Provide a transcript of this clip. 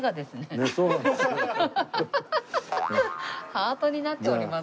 ハートになっております